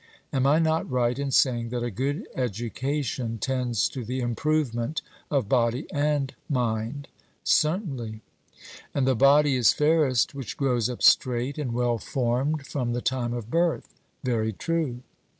Am I not right in saying that a good education tends to the improvement of body and mind? 'Certainly.' And the body is fairest which grows up straight and well formed from the time of birth. 'Very true.'